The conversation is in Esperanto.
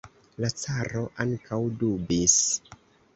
La caro ankaŭ dubis.